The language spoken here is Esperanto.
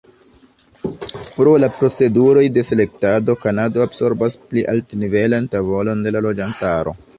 Pro la proceduroj de selektado, Kanado absorbas pli altnivelan tavolon de la loĝantaro.